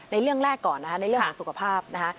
เรื่องแรกก่อนนะคะในเรื่องของสุขภาพนะคะ